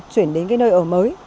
chuyển đến cái nơi ở mới